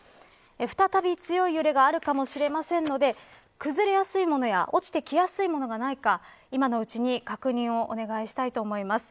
再び強い揺れがあるかもしれませんので崩れやすい物や落ちてきやすい物がないか今のうちに確認をお願いしたいと思います。